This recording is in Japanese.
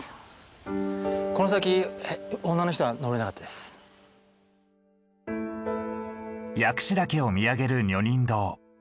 ここは薬師岳を見上げる女人堂。